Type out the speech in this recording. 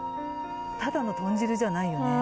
ただの豚汁じゃないよね。